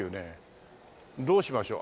どうしましょう。